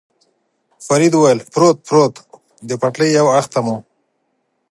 فرید وویل: پروت، پروت، د پټلۍ یو اړخ ته مو.